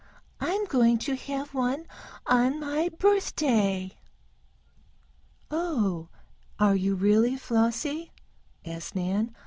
"I'm going to have one on my birthday." "Oh, are you really, Flossie?" asked Nan.